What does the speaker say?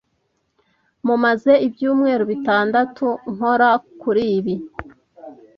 Mumaze ibyumweru bitatu nkora kuri ibi.